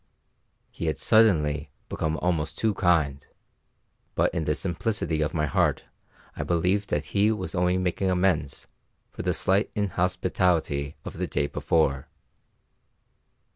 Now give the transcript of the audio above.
He had suddenly become almost too kind, but in the simplicity of my heart I believed that he was only making amends for the slight inhospitality of the day before.